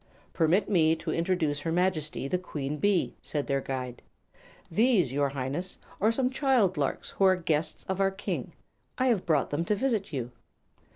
"Permit me to introduce her Majesty the Queen Bee," said their guide. "These, your highness, are some little child larks who are guests of our King. I have brought them to visit you."